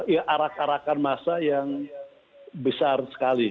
ya arak arakan masa yang besar sekali